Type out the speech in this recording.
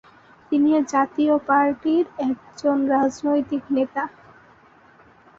তিনি জাতীয় পার্টি’র একজন রাজনৈতিক নেতা।